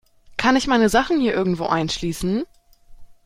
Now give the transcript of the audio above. Kann ich meine Sachen hier irgendwo einschließen?